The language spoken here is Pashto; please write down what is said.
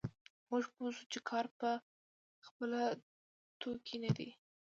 موږ پوه شوو چې کار په خپله توکی نه دی